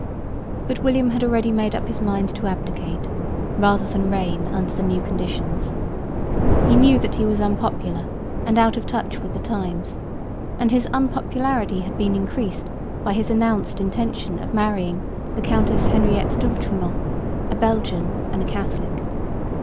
But William had already made up his mind to abdicate, rather than reign under the new conditions. He knew that he was unpopular and out of touch with the times; and his unpopularity had been increased by his announced intention of marrying the Countess Henriette D'Oultremont, a Belgian and a Catholic.